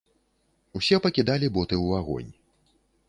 Усе пакідалі боты ў агонь.